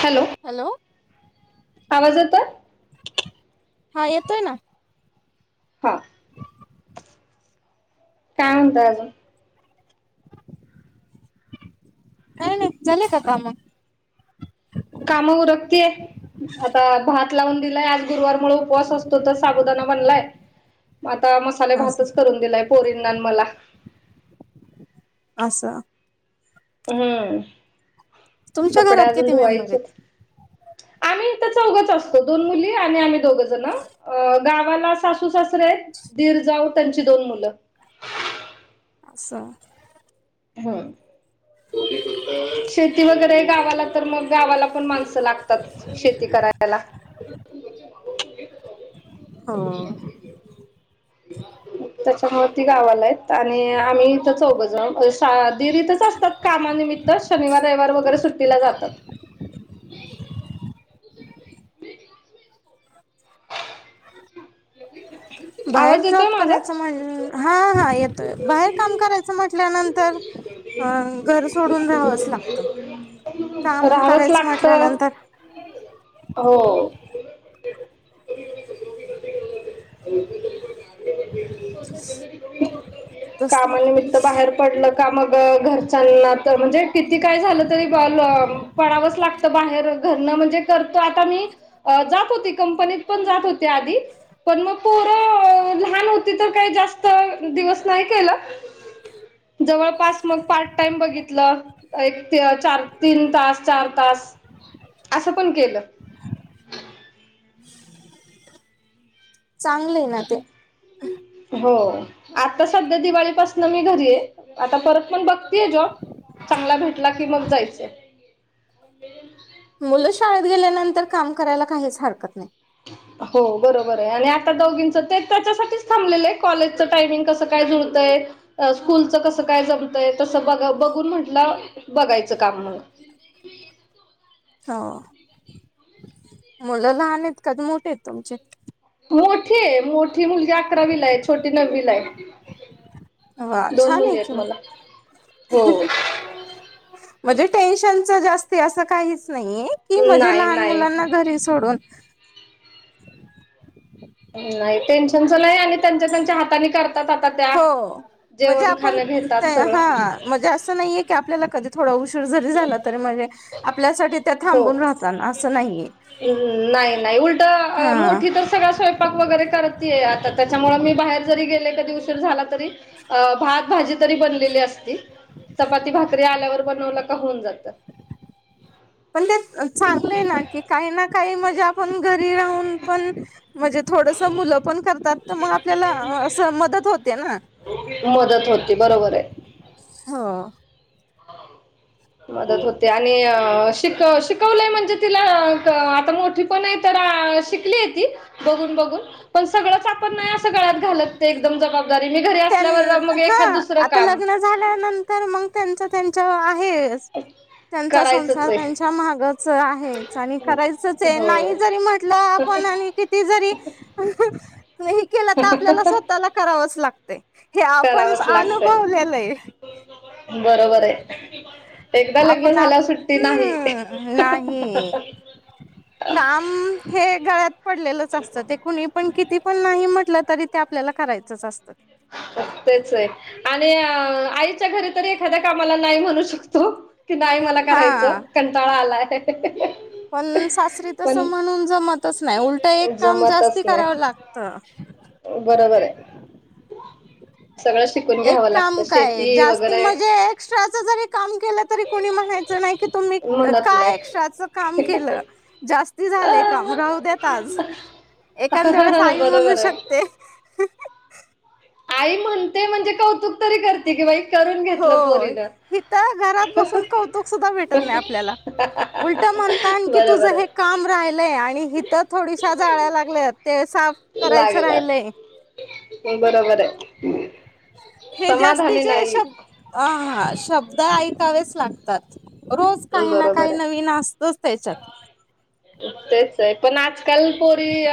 Hello hello आवाज येतोय हां येतोय ना हा [inaudible] काय म्हणताय अजून? काय नाही झाले का कामं? काम उरकतीये आता भात लावून दिलाय आज गुरुवार मूळ उपवास असतो तर साबुदाणा बनलाय आता मसाले असं भातच करून दिलाय पोरींना आणि मला असं हम्म तुमच्या कपडे घरात अजून किती मेंबर धुवायचेत. आहेत आम्ही इथं चौघंच असतो दोन मुली आणि आम्ही दोघ जणं गावाला सासू सासरे हेत दीर जाऊ त्यांची दोन मुलं असं हं शेती वगैरे गावाला तर मग गावाला पण माणसं लागतात. शेती करायला [inaudible] हो त्याच्यामुळे ती गावाला आहेत आणि आम्ही इथं चौघ जणं दीर इथंच असतात कामानिमित्त शनिवार रविवार वगैरे सुट्टीला जातात. [inaudible] [inaudible] बाहेर येतोय जॉब माझा करायचं म्ह हा हा येतोय बाहेर काम करायचं म्हटल्यानं तर घर सोडून राहावंसं लागतं काम राहावंच करायचं लागतं म्हटल्यानंतर हो [inaudible] कामा निमित्त बाहेर पडलं का मग घरच्यांना तर म्हणजे किती काय झालं तरी पडावंच लागतं बाहेर घरणं म्हणजे करतो आता मी अ जात होती कंपनीत पण जात होते आधी पण मग पोरं लहान होती तर काही जास्त दिवस नाही केलं जवळपास मग पार्ट टाइम बघितलं एक चार तीन तास चार तास असं पण केलं. चांगले ना ते, हो आता दिवाळीपासन मी घरी आहे आता परत पण बघ ते जॉब चांगला भेटला की मग जायच आहे. मुलं शाळेत गेल्यानंतर काम करायला काहीच हरकत नाही. [inaudible] हो बरोबर आहे आणि आता दोघींचं ते त्याच्यासाठीच थकलेले आहे. काॅलेजचं टायमिंग कसं काय जुळतंय? अ स्कूलचं कसं काय जमतंय. तसं ब बघून म्हटलं बघायचं काम म हो मुलं लहान आहेत का ते मोठे आहेत तुमचे मोठी आहे मोठी मुलगी अकरावीला आहे. छोटी नववीला आहे. वा दोन छान आहे मुले कि आहेत मग मला हो, म्हणजे टेन्शनच जास्त असं काहीच नाही. की म्हणजे नाही लहान नाही मुलांना घरी सोडून नाही टेन्शनच नाही आणि त्यांच्या त्यांच्या हाताने करतात. त्यात आता त्या हो म्हणजे जेवण आपण खाणं घेतात सगळं हा म्हजे असं नाहीये की, आपल्याला कधी थोडा उशीर जरी झाला तरी म्हणजे आपल्यासाठी त्या हो थांबून राहतना असं नाहीये. नाही नाही उलट हा मोठी तर सगळ स्वयंपाक वगैरे करतये आता त्याच्यामुळे मी बाहेर जरी गेले कधी उशीर झाला तरी, अ भात भाजी तरी बनलेली असती चपाती भाकरी आल्यावर बनवला का होऊन जातं. पण ते चांगलेय ना की काही ना काही मजा आपण घरी राहून पण म्हणजे थोडस मुलं पण करतात. तर मग आपल्याला असं मदत होते ना, मदत होती बरोबर आहे. हो, मदत होते आणि शिक शिकवलंय म्हणजे तिला आता मोठी पण नाही तर शिकली ती बघून-बघून पण सगळच आपण नाही गळ्यात घालत नाही एकदम जबाबदारी मी घरी त्यां असल्यावर मग हा दुसरं आता काम लग्न झाल्यानंतर मग त्यांच त्यांच आहे. [unintelligible] त्यांचा करायचंच संसार आहे त्यांच्या मागच आहे आणि करायचच आहे हो नाही जरी म्हटलं आपण आणि किती जरी हे केलं तर आपल्याला स्वतःला करावंच लागत. हे आपणच करावंच लागतंय अनुभवलेलं आहे. बरोबर आहे. एकदा लग्न आपण आप झाल्यावर सुट्टी नाही. हम्म नाही काम हे गळ्यात पडलेलंच असतं ते कुणी पण, किती पण नाही म्हटलं तरी ते आपल्याला करायचं. असत ते तेच आहे. आणि आईच्या घरी तरी एखाद्या कामाला नाही म्हणू शकतो. कि नाही मला कारायचं हा कंटाळा आलाय. पण सासरी तसं पण म्हणून जमतच नाही उलट एक काम जमतच जास्ती नाही करावं लागत. बरोबर आहे. सगळं शिकून एक घ्यावं लागतं काम काय शेती जास्ती वगैरे म्हणजे एक्स्ट्राच जरी काम केलं तरी कोणी म्हणायचं नाही की, तुम्ही म्हणत काय नाही एक्स्ट्राच काम केलं. जास्ती झालंय काम राहू देत आज एखाद्या वेळेस आई म्हणू बरोबर आहे शक [unintelligible] आई म्हणते म्हणजे कौतुक... तरी करते कि बाई करून घेतलं हो पोरीन. हिथ घरात बसून कौतुक सुद्धा भेटत नाही आपल्याला उलट म्हणतान की तुझं हे आहे काम राहिलय आणि हथं थोडीश्या जाळ्या लागल्यात. ते साफ करायचं लागलात राहिलंय. बरोबर आहे हे समाधानी जास्तीचे नाही शब हा शब्द ऐकावेच लागतात. रोज काही ना बरोबर काही आहे नवीन असतच त्याच्यात. [unintelligible] तेच आहे पण आजकाल पोरी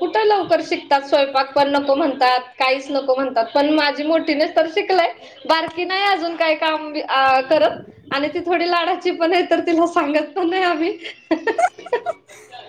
कुठं लवकर शिकतात स्वयंपाक पण नको म्हणतात. काहीच नको म्हणतात पण माझी मोठीनेच तर शिकलय.. बारकी नाही अजून काही काम बी करत आणि ती थोडी लाड... ती पण हे तर तिला सांगत पण नाही आम्ही.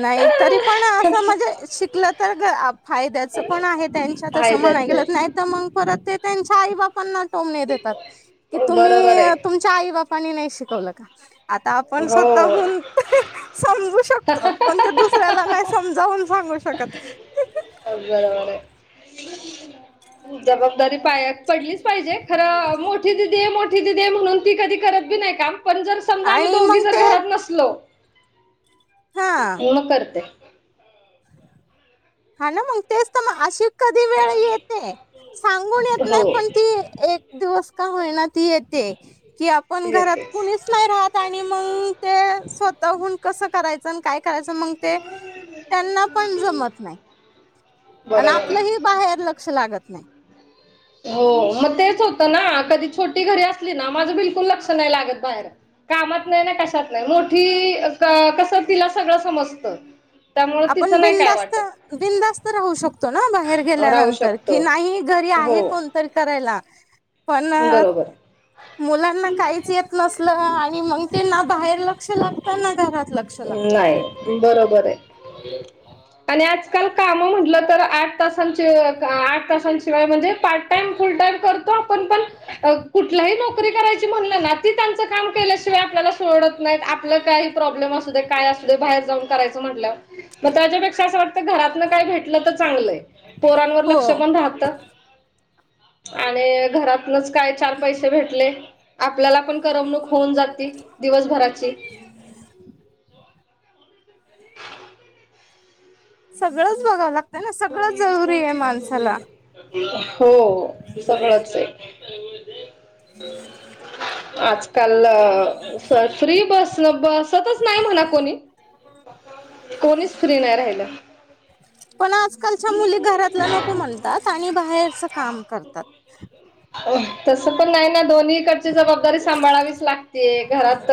नाही तरी पण असं म्हणजे शिकलं तर घ.. आप... फायद्याचं पण आहे त्यांच्या म्हणाय फायद्याच आहे. गेलंच नाही तर मग परत ते त्यांच्या आई बापांना... टोमणे देतात की तुम्ही बरोबर आहे तुमच्या आई बापांनी नाही शिकवलं का. आता आपण हो स्वतःहुन समजू शकतो. पण ते दुसऱ्याला नाही समजावून सांगू शकत. अगभरणे [unintelligible] जबाबदारी पायात पडलीच पाहिजे खरं मोठी दिदी आहे मोठी दिदी आहे म्हणून ती कधी करत बी नाही. काम पण जर... समजा आम्ही आणि दोघी मग जर ते घरात नसलो हा की मग करते. हा ना मग तेच तर मग अशी कधी वेळ येते सांगून येत हो नाही पण ती एक... एक दिवस का होईना ती येते कि आपण घरात येतेच. कोणीच... नाही राहत आणि मंग ते स्वतःहून कसं करायचं न काय... करायच मग ते त्यांना पण जमत नाही. आणि बरोबर आपलंही आहे बाहेर लक्ष लागत नाही. हो मग तेच होतं ना कधी छोटी घरी असली ना माझं बिलकुल लक्ष नाही लागत बाहेर. कामात नाही ना कशात नाही मोठी कसं तिला सगळं समजतं. त्यामुळे आपण तिचं नाही काय बिंदास्त वाटत बिंदास्त राहू शकतो ना बाहेर राहू गेल्यानंतर की शकतो नाही घरी हो आहे कोण... कोण करायला पण... बरोबर मुलांना काहीच येत नसलं आणि मंग तेना बाहेर लक्ष लागत ना घरात लागत. नाही बरोबर आहे. पण हे आजकाल कामं म्हटलं तर आठ तासांचे आठ तासांशिवाय म्हणजे पाठ... पण फुल्ल टाईम करतो आपण पण कुठलाही नोकरी करायची... ती म्हणटल ना ती त्यांच, काम केल्याशिवाय आपल्याला सोडत नाही आपल काही प्रॉब्लेम... मग काय असुदे बाहेर जाऊन करायचं म्हटल्यावर. मग त्याच्यापेक्षा असं वाटतं घरातन काय भेटलं तर चांगलंय. पोरांवर हो लक्ष पण राहत आणि घरात... रोज काय चार पैसे भेटले आपल्याला पण करमणूक होऊन जाते दिवसभराची. सगळंच बघावं लागतं ना सगळं जरुरी आहे माणसाला. हो सगळंच आहे. आजकाल फ्री बस बसतच नाही म्हणा कोणी. कोणीच फ्री नाही राहिलं. पण आजकालच्या मुली घरातला नको म्हणतात आणि बाहेरच काम करतात. हा. तसं पण नाही ना दोन्हीकडची जबाबदारी सांभाळावीच लागतेय घरात.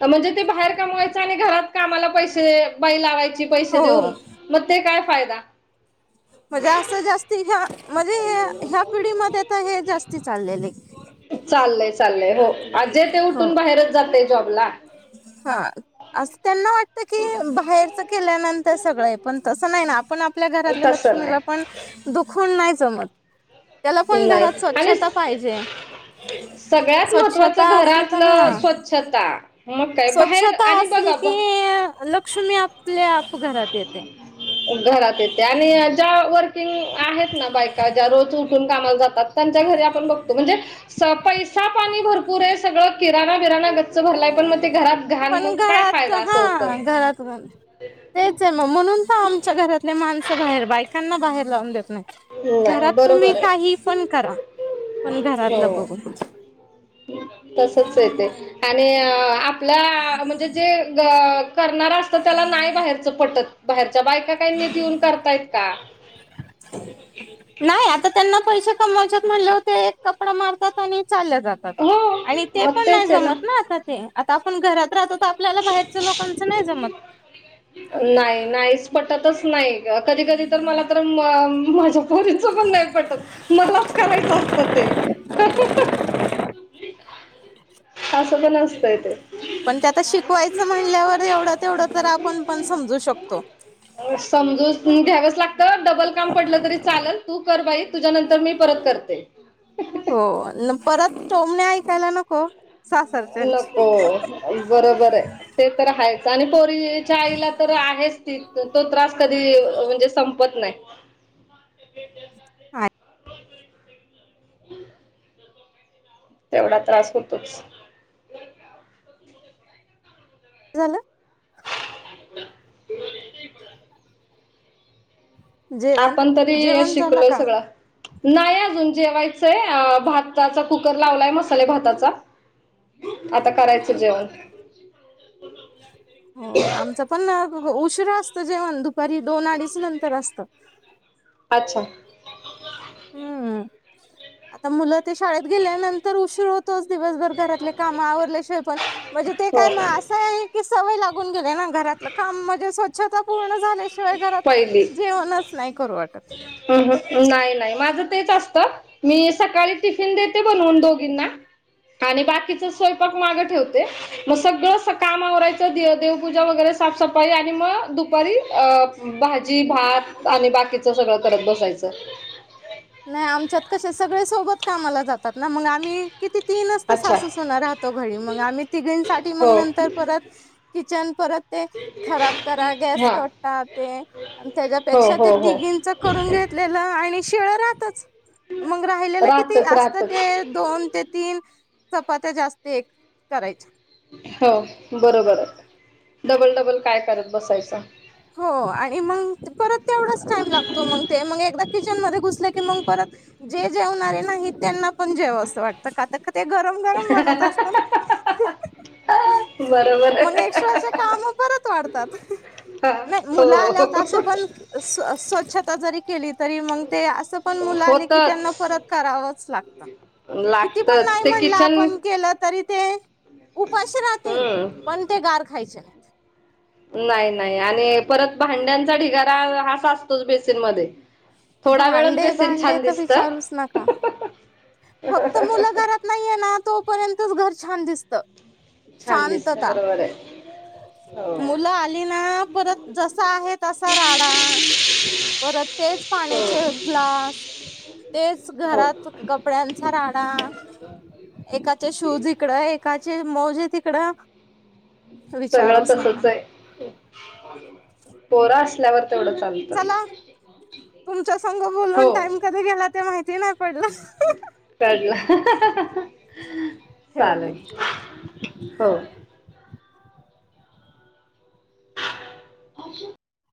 अ म्हणजे ते बाहेर कमवायचं आणि घरात कामाला पैसे? बाई लावायची पैसे हो देऊन मग ते काय फायदा, म्हणजे असं जास्त ह्या म्हणजे ह्या पिढीमध्ये आ तर हे जास्त चाललेले आहे. चालय चालय हो आजे ते हो उठून बाहेरच जातय जॉबला. हा असं त्यांना वाटत की बाहेरच केल्यानंतर. ते सगळं आहे पण तसं नाही ना आपण आपल्या घरातल्या तसं लक्ष्मीला नाही पण दुखवून नाही जमत. त्याला पण नाही घरात आणि स्वच्छता पाहिजे! सगळ्यात स्वच्छता महत्वाचं असली तर घरातलं हा स्वच्छता. मग काय बाहेर स्वच्छता आणि असली बघा ब- की लक्ष्मी आपल्या आप घरात येते. घरात येते आणि ज्या वर्किंग आहेत ना बायका ज्या रोज वून, उठून कामाला जातात त्यांच्या घरी आपण बघतो म्हणजे. स पैसा पाणी भरपूर आहे सगळं किराणा बिराणा का, भरलाय मग ते घरात घाण पण मग काय घरात फायदा असं होत. हा घरात तेच आहे मग म्हणून तर आमच्या घरातले माणसं बाहेर बायकांना बाहेर लावून देत नाही. नाही घरात तुम्ही बरोबर आहे काही पण करा पण घरातलं बघूनच. तसच येते आणि आपला म्हणजे जे, क करणार असत त्याला नाही बाहेरचं पटत. बाहेरच्या बायका काही नीट येऊन करतायत का. नाही आता त्यांना पैसे कमायच म्हणले ते कपडा मारतात आणि चालले जातात. हो आणि ते मग नाही तेच आहे ना आता ते, आता आपण घरात राहतो तर आपल्याला बाहेरच लोकांचं नाही जमत. नाही नाहीच पटतच नाही कधी कधी तर मला तर माझ्या पोरीच पण नाही पटत. मलाच करायचं असत ते, पण नसतय ते, पण त्याता शिकवायचं म्हणल्यावर एवढं तेवढं तर आपण पण समजू शकतो. हो समजू तेन घ्यावंच लागतं डबल काम पडलं तरी चालत. तू कर बाई तुझ्या नंतर मी परत करते. हो परत टोमने ऐकायला नको सासरच्यांची, नको बरोबर आहे, ते तर हायच आणि पोरीच्या आईला तर आहेच ती तो त्रास कधी म्हणजे संप, पत नाही, हाय, तेवढा त्रास होतोच. झालं, त, जेवण आपण तरी जेवण झालं शिकलोय का सगळां! नाही अजून जेवायचंय अ भाताचा कुकर लावलाय मसाले भाताचा. आता करायचं जेवण? हो आमचा पण उशिरा असत जेवण दुपारी दोन अडीच नंतर असतं. अच्छा, तर मुलं ते शाळेत गेल्यानंतर उशीर होतोच दिवसभर घरातले काम आवरल्याशिवाय पण. म्हणजे ते हो काय म असं आहे की सवय लागून गेले ना घरातलं काम म्हणजे स्वच्छता पूर्ण झाल्या शी? घरात जेवणच नाय करू वाटत. ऊं हुं नाय नाय माझं तेच असतं. मी सकाळी टिफिन देते बनवुन दोघींना. आणि बाकीच स्वैपाक माग ठेवते. म सगळं स काम आवरायचं दे देवपूजा वगैरे साफसफाई आणि म दुपारी अ भाजी भात आणि बाकीचं सगळं करत बसायचं नाय आमच्यात कसं सगळे सोबत कामाला जातात ना मंग आमी किती तीनच त अच्छा सासू सुना राहतो घरी मंग आम्ही तिघींसाठी हो मंग नंतर परत किचन परत ते खराब करा गॅस हा कटा ते हो त्याच्यापेक्षा ते हो हो तिघींच करून घेतलेलं आणि शिळं रातच. मंग राहिलेलं किती राहतच असतं राहतच ते दोन ते तीन चपात्या जास्त एक करायच्या. हो बरोबरे डबल डबल काय करत बसायचं. हो आणि मंग ते परत तेवढाच टाइम लागतो मंग ते मंग एकदा किचन मध्ये घुसलं की मंग परत जे जेवणारे नाहीत त्यांना पण जेवा असं वाटतं का त कात् ते गरम गरम बनत असत न. बरोबर. मंग आहे एक्स्ट्राचे काम परत वाढतात. नाई मुलं आल्याव असे हो पण स् स्वच्छता जरी केली तरी मंग ते असं पण मुलं आले की त्यांना होतच परत. करावंच लागत किती पण नाई लागतच ते म्हणलं किचन आपण केलं तरी ते. उपाशी राहतीन हम्म पण ते गार खायचे नाय. नाय नाय आणि परत भांड्यांचा ढिगारा हा असतोच बेसिन मध्ये. थोडा वेळंच भांडे बेसीन भांडे छान तर दिसतं. विचारूच नका फक्त मुलं घरात नाईये ना तोपर्यंतच घर छान दिसतं. छान दिसत शांतता, बरोबर आहे हो मुलं आली ना परत जसा आहे तसा राडा परत तेच हो पाण्याचे ग्लास तेच हो घरात कपड्यांचा राडा. एकाचे शूज इकडं एकाचे मोजे तिकडं. सगळं विचारूच नका तसंचे, पोरं असल्यावर तेवढं चालतं. चला तुमच्या संग हो बोलून टाइम कधी गेला ते माहिती नाय पडलं. कळलं ठेवते चालंल हो. अछा.